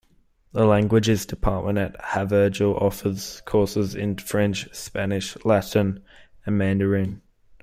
The Languages Department at Havergal offers courses in French, Spanish, Latin, and Mandarin.